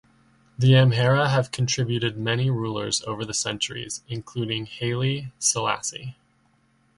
The Amhara have contributed many rulers over the centuries, including Haile Selassie.